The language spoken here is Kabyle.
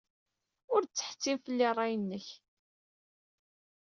Ur d-ttḥettim fell-i ṛṛay-nnek.